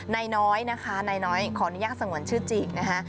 นายน้อยนะคะนายน้อยขออนุญาตสงวนชื่อจีกนะคะ